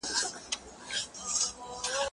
زه به مېوې خوړلې وي؟!